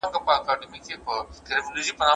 له دانا مي زړګی شین دی په نادان اعتبار نسته